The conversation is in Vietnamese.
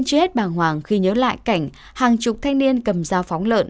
chết bàng hoàng khi nhớ lại cảnh hàng chục thanh niên cầm dao phóng lợn